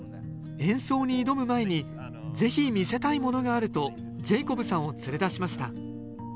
演奏に挑む前にぜひ見せたいものがあるとジェイコブさんを連れ出しました